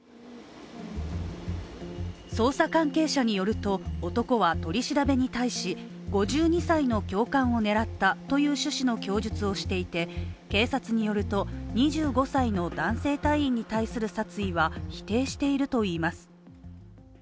捜査関係者によると、男は取り調べに対し５２歳の教官を狙ったという趣旨の供述をしていて警察によると２５歳の男性隊員に対する殺意は否定しているといいます。